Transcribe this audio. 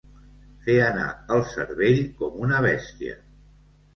Fer anar el cervell com una bèstia.